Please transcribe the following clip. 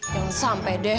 jangan sampai deh